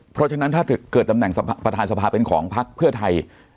เพราะฉะนั้นถ้าเกิดตำแหน่งประธานสภาเป็นของพักเพื่อไทย